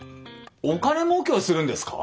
お金もうけをするんですか？